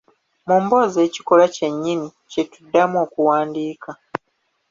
Mu mboozi ekikolwa kye nnyini kye tuddamu okuwandiika